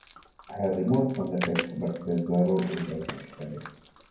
I have removed from the text but preserved it as an appendix.